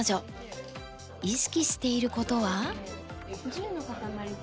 意識していることは？